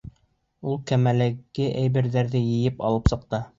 Улар кәмәләге әйберҙәрҙе йыйып алып сыҡты.